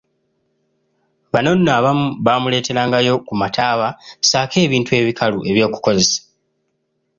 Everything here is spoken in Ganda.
Bano nno abamu baamuleeterangayo ku mataaba ssaako ebintu ebikalu ebyokukozesa.